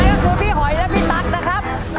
ก็คือพี่หอยและพี่ตั๊กนะครับ